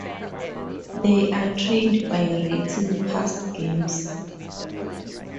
They are trained by rating past games.